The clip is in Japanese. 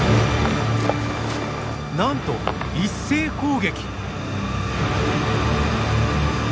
なんと一斉攻撃。